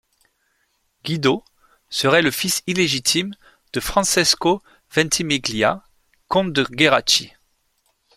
Guido serait le fils illégitime de Francesco Ventimiglia, comte de Geraci.